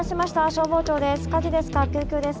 消防庁です。